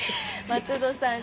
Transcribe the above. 松戸さん